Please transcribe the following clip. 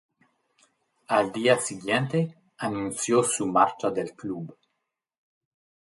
Al día siguiente, anunció su marcha del club.